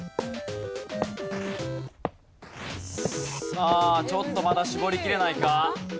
さあちょっとまだ絞りきれないか？